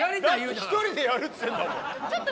１人でやるっつうんだもん。